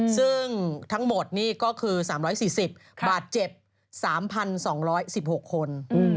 ซึ่งทั้งหมดนี่ก็คือ๓๔๐บาดเจ็บ๓๒๑๖คน